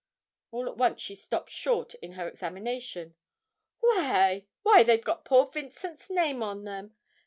all at once she stopped short in her examination. 'Why why, they've got poor Vincent's name on them!